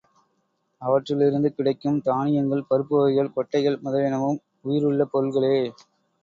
அவற்றிலிருந்து கிடைக்கும் தானியங்கள் பருப்பு வகைகள் கொட்டைகள் முதலியனவும் உயிருள்ள பொருள்களே.